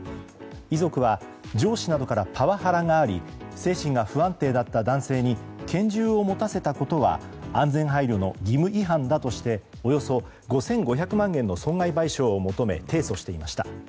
遺族は上司などからパワハラがあり精神が不安定だった男性に拳銃を持たせたことは安全配慮の義務違判だとしておよそ５５００万円の損害賠償を求め提訴していました。